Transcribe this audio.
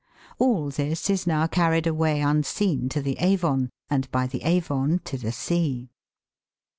All this is now carried away unseen to the Avon, and by the Avon to the sea.